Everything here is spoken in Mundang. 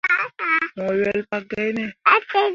Mo wel pa gai ne.